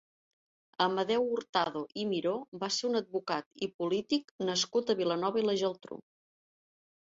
Amadeu Hurtado i Miró va ser un advocat i polític nascut a Vilanova i la Geltrú.